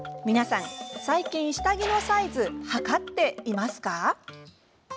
皆さん、最近下着のサイズ測っていますか？